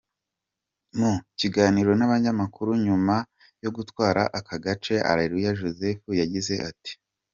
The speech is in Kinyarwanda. Mu kiganiro n’abanyamakuru nyuma yo gutwara aka gace, Areruya Joseph yagize ati.